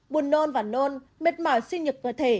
buồn nôn và nôn mệt mỏi suy nhực cơ thể